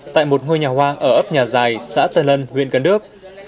tại một ngôi nhà hoa ở ấp nhà dài xã tân lân huyện cần đức